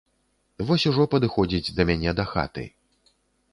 Вось ужо падыходзіць да мяне дахаты.